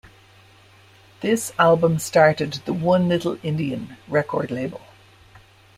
This album started the One Little Indian record label.